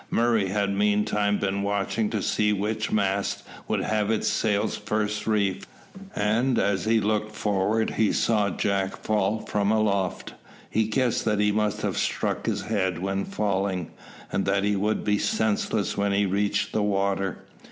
Murray had meantime been watching to see which mast would have its sails first reefed, and as he looked forward he saw Jack fall from aloft. He guessed that he must have struck his head when falling, and that he would be senseless when he reached the water.